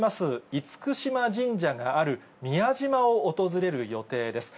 厳島神社がある宮島を訪れる予定です。